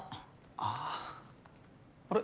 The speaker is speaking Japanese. あぁ。あれ？